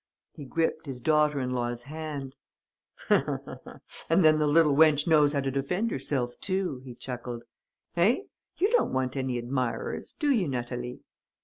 "He gripped his daughter in law's hand: "'And then the little wench knows how to defend herself too,' he chuckled. 'Eh, you don't want any admirers, do you Natalie?'